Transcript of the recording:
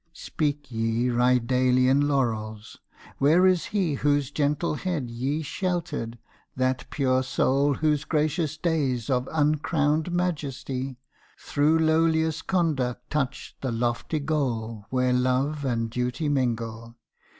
Speak ye Rydalian laurels! where is he Whose gentle head ye sheltered, that pure soul Whose gracious days of uncrowned majesty Through lowliest conduct touched the lofty goal Where love and duty mingle!